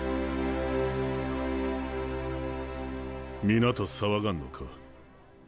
皆と騒がんのか？